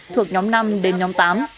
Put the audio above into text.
thuộc nhóm năm đến nhóm tám